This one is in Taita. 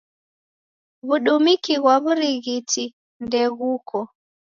W'udumiki ghwa w'urighiti ndeghuko.